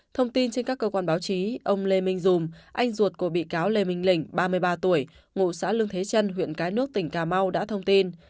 thông tin trên các cơ quan báo chí ông lê minh dùm anh ruột của bị cáo lê minh lĩnh ba mươi ba tuổi ngụ xã lương thế trân huyện cái nước tỉnh cà mau đã thông tin